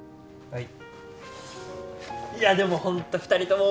はい。